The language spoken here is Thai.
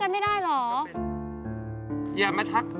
ฮัลแล้วเราเป็นเพื่อนกันไม่ได้เหรอ